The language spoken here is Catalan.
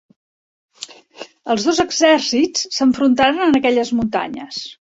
Els dos exèrcits s'enfrontaren en aquelles muntanyes.